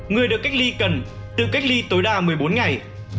người được cách ly cần tự cách ly tối đa một mươi bốn ngày